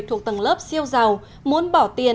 thuộc tầng lớp siêu giàu muốn bỏ tiền